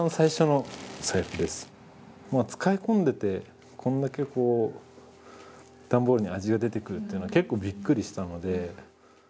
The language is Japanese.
もう使い込んでてこんだけこう段ボールに味が出てくるっていうのは結構びっくりしたので。